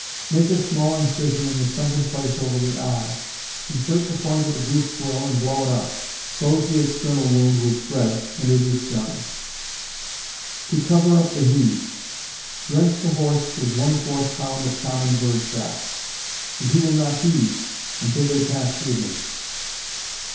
_ Make a small incision in the sunken place over the eye, insert the point of a goose quill and blow it up; close the external wound with thread and it is done. To cover up the heaves. Drench the horse with one fourth pound of common bird shot, and he will not heave until they pass through him.